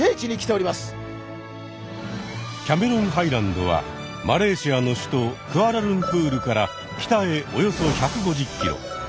キャメロンハイランドはマレーシアの首都クアラルンプールから北へおよそ１５０キロ。